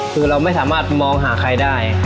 คือเราไม่สามารถมองหาใครได้